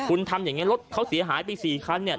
คุณทำอย่างนี้รถเขาเสียหายไป๔คันเนี่ย